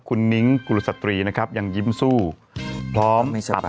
คุณนิ้งกุศตรีนะครับยังยิ้มสู้พร้อมอับผมสวยล่ะอืม